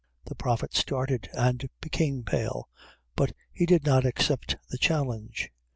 The Prophet started and became pale, but he did not accept the challenge.